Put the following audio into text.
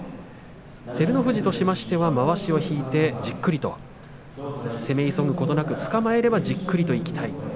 照ノ富士としては、まわしを引いてじっくりと攻め急ぐことなくつかまえればじっくりといきたい。